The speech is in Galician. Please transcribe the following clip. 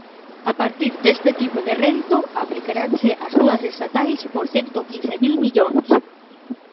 A partir deste tipo de rédito, aplicaranse axudas estatais por cento quince mil millóns